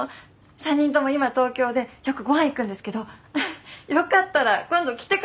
３人とも今東京でよくご飯行くんですけどよかったら今度来てください。